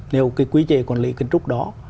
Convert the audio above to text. nếu cái quý chế quản lý kiến trúc đó